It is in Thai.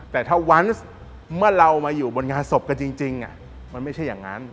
แต่ถ้าวันเมื่อเรามาอยู่บนงานศพกันจริงมันไม่ใช่อย่างนั้น